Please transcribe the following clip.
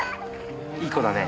いい子だね。